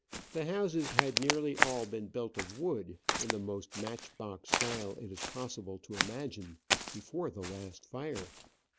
The houses had nearly all been built of wood, in the most match box style it is possible to imagine, before the last fire.